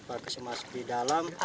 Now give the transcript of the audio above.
pakai semasuk di dalam